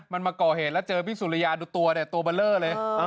มันมาก่อเหตุแล้วเจอพี่สุริยาดูตัวตัวเบลอเลย